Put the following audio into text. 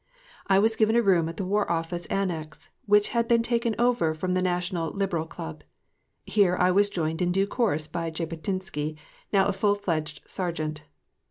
I was given a room at the War Office Annexe which had been taken over from the National Liberal Club. Here I was joined in due course by Jabotinsky, now a full fledged sergeant.